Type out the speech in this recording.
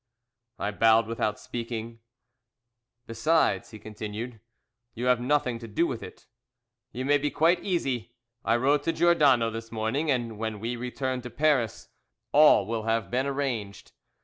I bowed without speaking. "Besides," he continued, "you have nothing to do with it. You may be quite easy. I wrote to Giordano this morning, and when we return to Paris all will have been arranged.